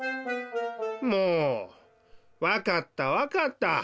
もうわかったわかった！